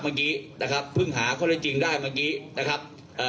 เมื่อกี้นะครับเพิ่งหาข้อได้จริงได้เมื่อกี้นะครับเอ่อ